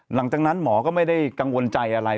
หลังจากนั้นหมอก็ไม่ได้กังวลใจอะไร